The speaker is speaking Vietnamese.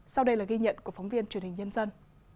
sau đây là ghi nhận của phóng viên truyền hình nhân dân